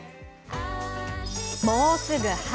もうすぐ春。